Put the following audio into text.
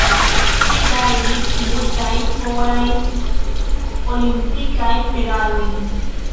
Ŝi gajnis multajn orajn olimpikajn medalojn.